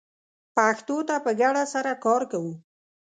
پښتو ته په ګډه سره کار کوو